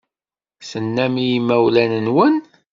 Tennam i yimawlan-nwen?